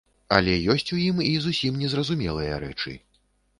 Але ёсць у ім і зусім незразумелыя рэчы.